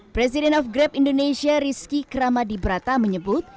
presiden of grab indonesia rizky kramadibrata menyebut